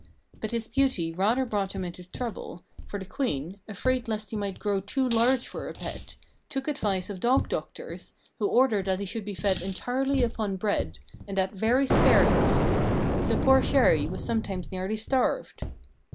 But his beauty rather brought him into trouble, for the Queen, afraid lest he might grow too large for a pet, took advice of dog doctors, who ordered that he should be fed entirely upon bread, and that very sparingly; so poor Chéri was sometimes nearly starved.